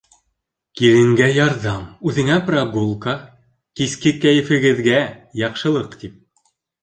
Киленгә ярҙам, үҙеңә прогулка, киске кәйефегеҙгә яҡшылыҡ тип.